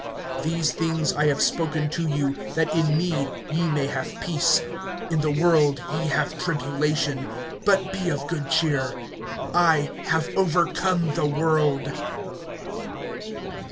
(33)These things I have spoken to you, that in me ye may have peace. In the world ye have tribulation; but be of good cheer, I have overcome the world.